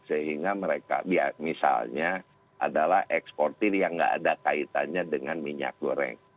sehingga mereka misalnya adalah eksportir yang nggak ada kaitannya dengan minyak goreng